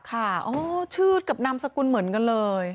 ค่ะอ๋อชื่อกับนามสกุลเหมือนกันเลย